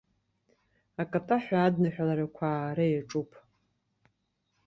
Акатаҳәа адныҳәаларақәа аара иаҿуп.